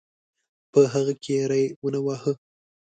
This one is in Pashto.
په هغه کې یې ری ونه واهه.